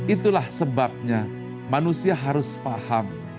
itulah sebabnya manusia harus paham